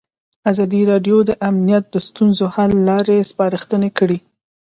ازادي راډیو د امنیت د ستونزو حل لارې سپارښتنې کړي.